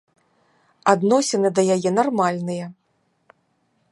Адносіны да яе нармальныя.